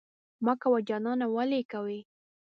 مه کوه جانانه ولې کوې؟